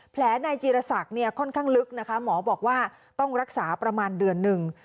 นายจีรศักดิ์เนี่ยค่อนข้างลึกนะคะหมอบอกว่าต้องรักษาประมาณเดือนหนึ่ง